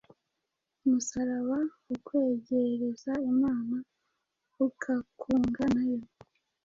Umusaraba utwegereza Imana, ukatwunga na Yo.